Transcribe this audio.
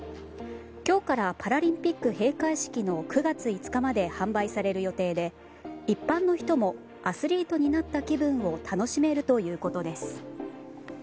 今日からパラリンピック閉会式の９月５日まで販売される予定で一般の人もアスリートになった気分を楽しめるということです。